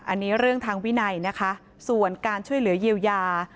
อันนี้เรื่องทางวินัยนะคะส่วนการช่วยเหลือเยียวยา